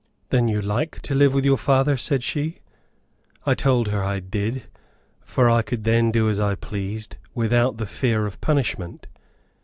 "Then you like to live with your father?" said she. I told her I did, for then I could do as I pleased, without the fear of punishment.